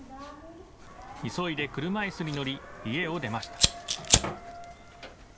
急いで車いすに乗り、家を出ました。